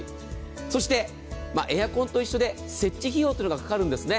そして、エアコンと一緒で設置費用というのがかかるんですね。